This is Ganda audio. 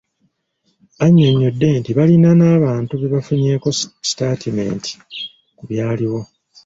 Annyonnyodde nti balina n'abantu be bafunyeeko sitaatimenti ku byaliwo.